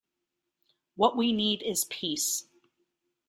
What we need is peace.